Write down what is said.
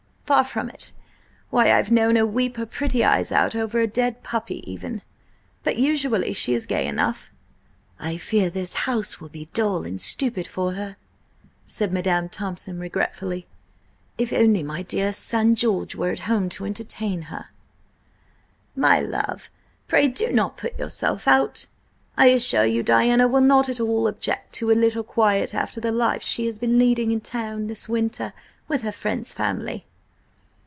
Far from it. Why, I've known her weep her pretty eyes out over a dead puppy even! But usually she is gay enough." "I fear this house will be dull and stupid for her," said Madam Thompson regretfully. "If only my dear son George were at home to entertain her—" "My love, pray do not put yourself out! I assure you Diana will not at all object to a little quiet after the life she has been leading in town this winter with her friend's family."